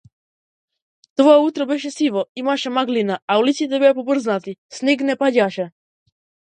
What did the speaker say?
Тоа утро беше сиво, имаше маглина, а улиците беа помрзнати, снег не паѓаше.